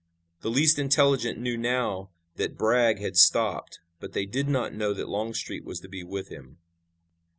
The least intelligent knew now that Bragg had stopped, but they did not know that Longstreet was to be with him.